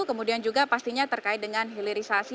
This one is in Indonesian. kemudian juga pastinya terkait dengan hilirisasi